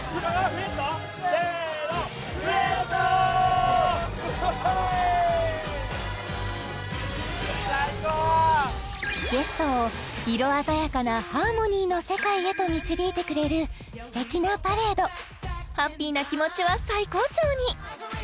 フレッドせーのゲストを「色あざやかな、ハーモニーの世界へ」と導いてくれるすてきなパレードハッピーな気持ちは最高潮に！